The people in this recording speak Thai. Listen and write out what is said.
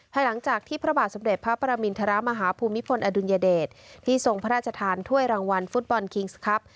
หลังจากที่พระบาทสมเด็จพระประมินทรมาฮภูมิพลอดุลยเดชที่ทรงพระราชทานถ้วยรางวัลฟุตบอลคิงส์ครับ